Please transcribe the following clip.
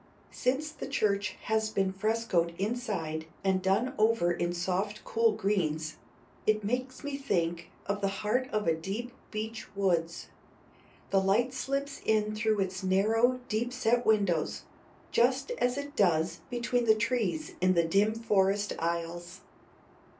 Since the church has been frescoed inside and done over in soft cool greens, it makes me think of the heart of a deep beech woods. The light slips in through its narrow deep set windows just as it does between the trees in the dim forest aisles.